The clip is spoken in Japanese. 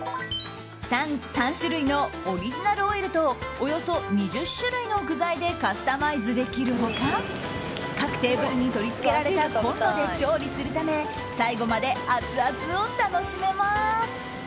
３種類のオリジナルオイルとおよそ２０種類の具材でカスタマイズできる他各テーブルに取り付けられたコンロで調理するため最後までアツアツを楽しめます。